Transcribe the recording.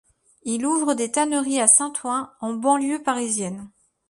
Il ouvre des tanneries à Saint-Ouen en banlieue parisienne.